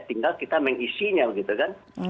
tinggal kita mengisinya begitu kan